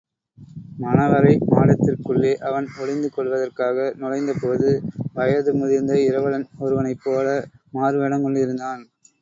மணவறை மாடத்திற்குள்ளே அவன் ஒளிந்து கொள்வதற்காக நுழைந்தபோது, வயது முதிர்ந்த இரவலன் ஒருவனைப்போல மாறுவேடங்கொண்டிருந்தான்.